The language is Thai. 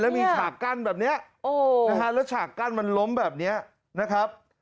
มีฉากกั้นแบบนี้นะฮะแล้วฉากกั้นมันล้มแบบนี้นะครับ